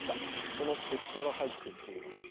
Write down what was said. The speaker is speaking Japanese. その結果が入ってきています。